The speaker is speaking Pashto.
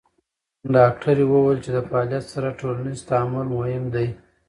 ډاکټره وویل چې د فعالیت سره ټولنیز تعامل مهم دی.